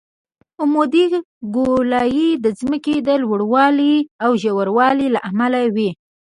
عمودي ګولایي د ځمکې د لوړوالي او ژوروالي له امله وي